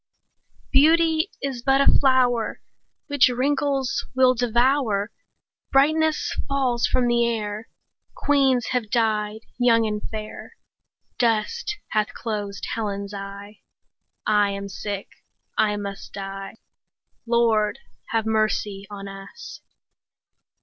Beauty is but a flower 15 Which wrinkles will devour; Brightness falls from the air; Queens have died young and fair; Dust hath closed Helen's eye; I am sick, I must die— 20 Lord, have mercy on us!